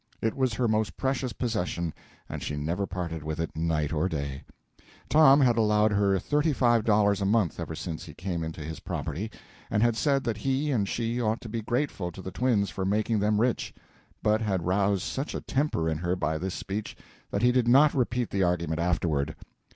It was her most precious possession, and she never parted with it, day or night. Tom had allowed her thirty five dollars a month ever since he came into his property, and had said that he and she ought to be grateful to the twins for making them rich; but had roused such a temper in her by this speech that he did not repeat the argument afterward.